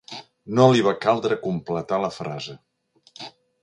No li va caldre completar al frase.